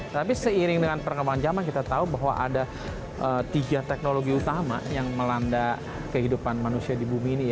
tapi seiring dengan perkembangan zaman kita tahu bahwa ada tiga teknologi utama yang melanda kehidupan manusia di bumi ini